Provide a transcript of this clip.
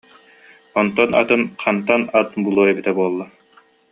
Онтон атын хантан ат булуо эбитэ буолла